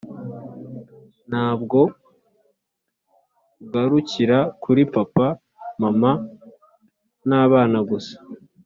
ntabwo ugarukira kuri papa, mama, n‘abana gusa.